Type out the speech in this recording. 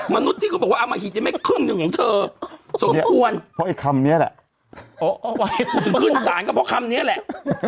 มนุษย์ที่เขาบอกว่าอมหิตยังไม่คึ่งหนึ่งของเธอส่วนที่พออีกคำนี้แหละ